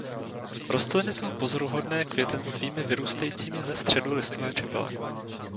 Rostliny jsou pozoruhodné květenstvími vyrůstajícími ze středu listové čepele.